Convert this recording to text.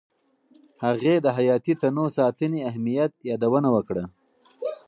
هغې د حیاتي تنوع ساتنې اهمیت یادونه وکړه.